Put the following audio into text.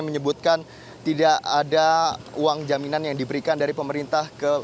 menyebutkan tidak ada uang jaminan yang diberikan dari pemerintah